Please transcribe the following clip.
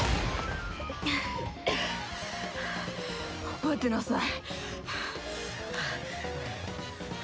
覚えてなさい！